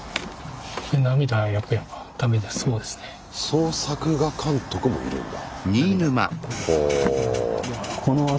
総作画監督もいるんだ。